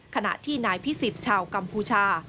ขณะที่นายพิสิทธิ์ชาวกัมพูชา